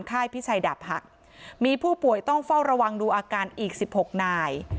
พิชัยดาบหักมีผู้ป่วยต้องเฝ้าระวังดูอาการอีก๑๖นาย